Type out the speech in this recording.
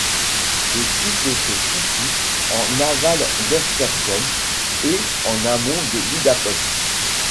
Le site se situe en aval d'Esztergom et en amont de Budapest.